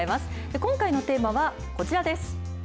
今回のテーマはこちらです。